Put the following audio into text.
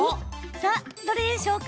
さあ、どれでしょうか？